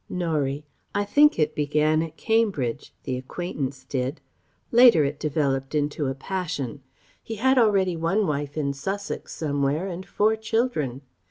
Norie: "I think it began at Cambridge the acquaintance did ... Later, it developed into a passion. He had already one wife in Sussex somewhere and four children.